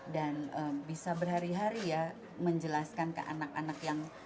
dan bisa berhari hari ya menjelaskan ke anak anak yang